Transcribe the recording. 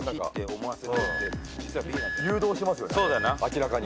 誘導してますよね明らかに。